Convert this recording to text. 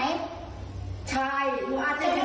ใช่หนูอาจจะอยู่ไว้สิบเดือนแล้วสัญญาคือมันสิบเดือน